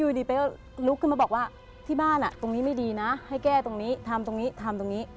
อยู่ดีเป๊ะลุกขึ้นมาบอกว่าที่บ้านตรงนี้ไม่ดีนะให้แก้ตรงนี้ทำตรงนี้ทำตรงนี้